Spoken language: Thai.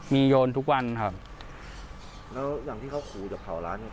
มีโยนทุกวันครับแล้วอย่างที่เขาขู่จะเผาร้านเนี้ย